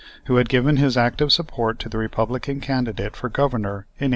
who had given his active support to the Republican candidate for Governor in 1873.